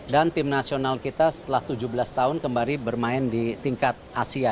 dan tim nasional kita setelah tujuh belas tahun kembali bermain di tingkat asia